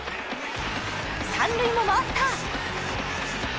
３塁も回った！